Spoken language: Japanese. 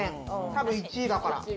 多分１位だから。